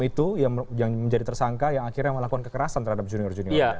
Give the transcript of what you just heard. itu yang menjadi tersangka yang akhirnya melakukan kekerasan terhadap junior junior